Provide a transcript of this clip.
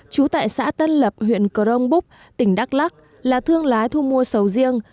chú tại xã tân lập huyện crong búc tỉnh đắk lắc là thương lái thu mua sầu riêng